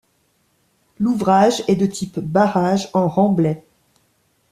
L'ouvrage est de type barrage en remblai.